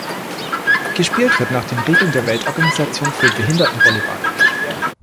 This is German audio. Gespielt wird nach den Regeln der Weltorganisation für Behinderten-Volleyball.